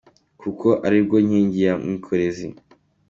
Kuko ari bwo nkingi ya mwikorezi,